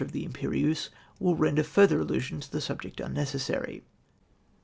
of the Imperieuse, Avill render further alhisioii to the subject unnecessary.